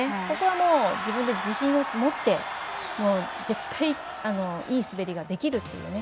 ここは、自分で自信を持って絶対、いい滑りができるって。